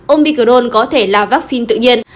omicron có thể là vaccine tự nhiên